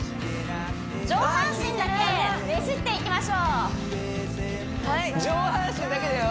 上半身だけねじっていきましょうはい上半身だけだよ